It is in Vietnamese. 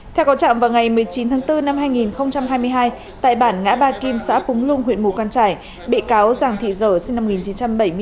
theo cầu trọng vào ngày một mươi chín tháng bốn năm hai nghìn hai mươi hai tại bản ngã ba kim xã búng luông huyện mù căn trải bị cáo giảng thị dở sinh năm một nghìn chín trăm bảy mươi tám